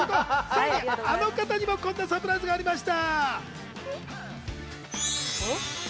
あの方にもこんなサプライズがありました。